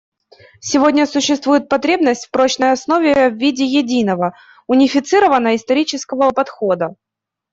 Сегодня существует потребность в прочной основе в виде единого, унифицированного исторического подхода.